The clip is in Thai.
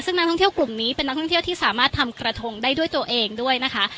ซึ่งนักท่องเที่ยวกลุ่มนี้เป็นนักท่องเที่ยวที่สามารถทำกระทงได้ด้วยตัวเองด้วยนะคะ